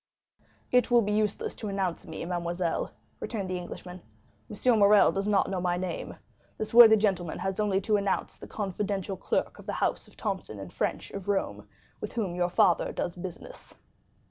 "It will be useless to announce me, mademoiselle," returned the Englishman. "M. Morrel does not know my name; this worthy gentleman has only to announce the confidential clerk of the house of Thomson & French of Rome, with whom your father does business."